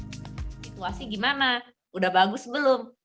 situasi gimana udah bagus belum